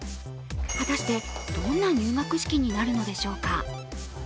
果たして、どんな入学式になるのでしょうか。